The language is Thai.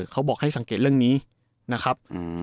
เขาบอกให้สังเกตเรื่องนี้นะครับ